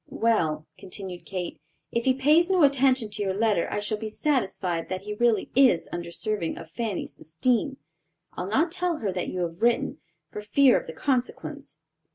"Well," continued Kate, "if he pays no attention to your letter, I shall be satisfied that he really is undeserving of Fanny's esteem. I'll not tell her that you have written, for fear of the consequence."